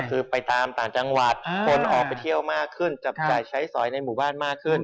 คือตามต่างจังหวัดคนออกไปเที่ยวมากขึ้นจับจ่ายใช้ซอยมากขึ้น